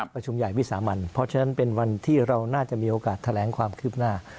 ประชุมใหญ่วิสามันเพราะฉะนั้นเป็นวันที่เราน่าจะมีโอกาสแถลงความคืบหน้า